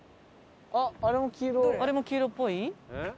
あれも黄色っぽい？